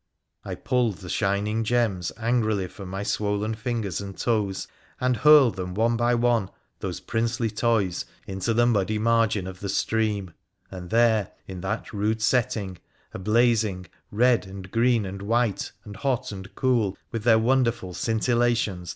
I pulled the shining gems angrily from my swollen fingers and toes and hurled them one by one, those princely toys, into the muddy margin of the stream, and there, in that rude setting, ablazing, red, and green, and white, and hot and cool, with their wonderful scintillations they mocked me.